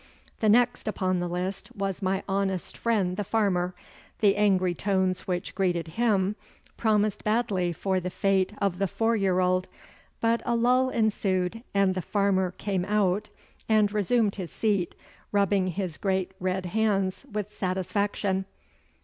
The next upon the list was my honest friend the farmer. The angry tones which greeted him promised badly for the fate of the four year old, but a lull ensued, and the farmer came out and resumed his seat, rubbing his great red hands with satisfaction.